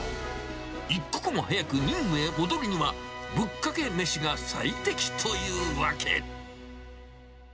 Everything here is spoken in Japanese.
一刻も早く任務へ戻るには、ぶっかけ飯が最適というわけ。